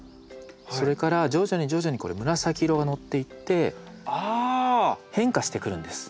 それから徐々に徐々にこれ紫色がのっていって変化してくるんです。